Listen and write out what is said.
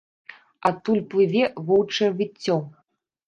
Адтуль плыве воўчае выццё.